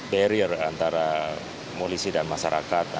barrier antara polisi dan masyarakat